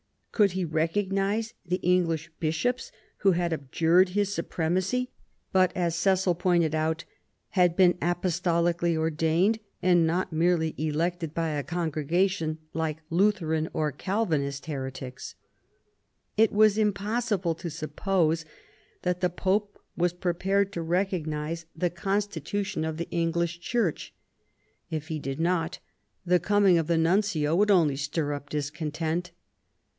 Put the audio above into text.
Could he recognise the English Bishops, who had abjured his supremacy, but, as Cecil pointed out, " had been apostolically ordained, and not merely elected by a congregation like Lutheran or Calvinist heretics '*? It was impossible to suppose that the Pope was prepared to recognise the constitution of the English Church ; if he did not, the coming of the nuncio would only stir up discontent.